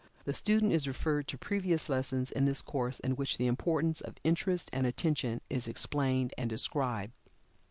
The student is referred to previous lessons in this course in which the importance of interest and attention is explained and described.